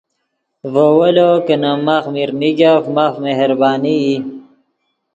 ڤے ویلو کہ نے ماخ میر نیگف ماف مہربانی ای